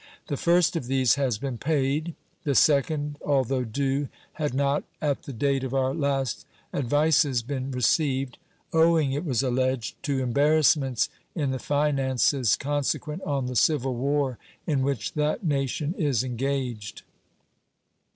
The first of these has been paid; the second, although due, had not at the date of our last advices been received, owing, it was alleged, to embarrassments in the finances consequent on the civil war in which that nation is engaged.